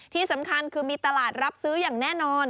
ที่สำคัญคือมีตลาดรับซื้ออย่างแน่นอน